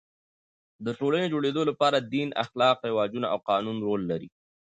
د ټولني د جوړېدو له پاره دین، اخلاق، رواجونه او قانون رول لري.